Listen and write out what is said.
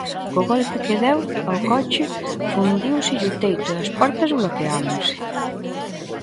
Co golpe que deu, ao coche fundíuselle o teito e as portas bloqueáronse.